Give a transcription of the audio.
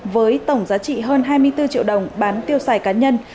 với tổng giá trị hơn hai mươi bốn triệu đồng bán tiêu xài cá nhân